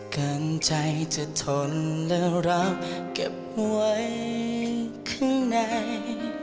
เกินใจจะทนแล้วรักเก็บไว้ข้างใน